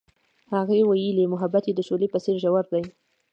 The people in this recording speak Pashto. هغې وویل محبت یې د شعله په څېر ژور دی.